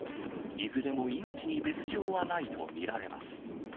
いずれも命に別状はないと見られます。